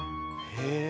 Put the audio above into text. へえ！